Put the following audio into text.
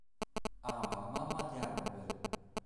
Ama la mamma di Annabel.